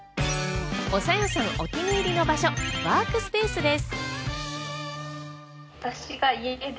おさよさんお気に入りの場所、ワークスペースです。